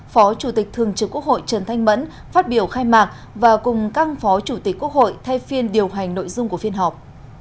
phó chủ tịch thường trực quốc hội trần thanh mẫn phát biểu khai mạc và cùng các phó chủ tịch quốc hội thay phiên điều hành nội dung của phiên họp